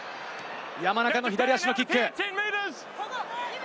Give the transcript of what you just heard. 山中の左足のキック。